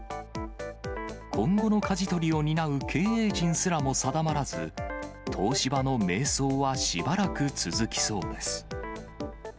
今後のかじ取りを担う経営陣すらも定まらず、東芝の迷走はしばらく続きそうです。